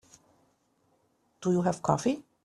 Do you have coffee?